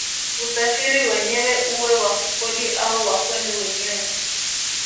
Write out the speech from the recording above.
Usafiri wenyewe uwe wa kukodi au wa kwenu wenyewe